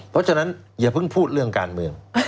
เพราะฉะนั้นอย่าเพิ่งพูดเรื่องการเมือง